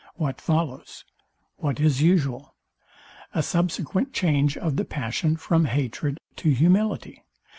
What follows? What is usual. A subsequent change of the passion from hatred to humility.